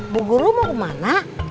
bu guru mau ke mana